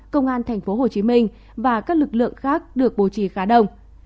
công an thành phố hồ chí minh và các lực lượng khác được bố trì khá đông